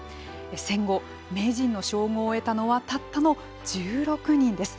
戦後、名人の称号を得たのはたったの１６人です。